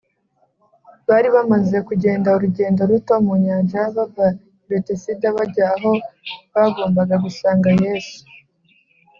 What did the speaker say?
bari bamaze kugenda urugendo ruto mu nyanja bava i betesida bajya aho bagombaga gusanga yesu